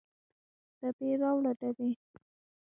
ډبې راوړه ډبې